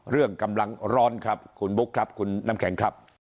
กำลังร้อนครับคุณบุ๊คครับคุณน้ำแข็งครับ